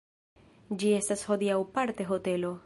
Ĝi estas hodiaŭ parte hotelo.